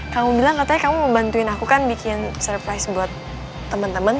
kamu bilang katanya kamu mau bantuin aku kan bikin surprise buat temen temen